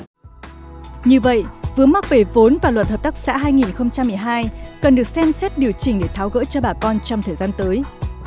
như vậy vướng mắc về vốn và luật hợp tác xã hai nghìn một mươi hai cần được xem xét điều chỉnh để tháo gỡ cho bà con trong thời gian tới